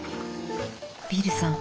ビルさん